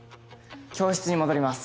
教室に戻ります。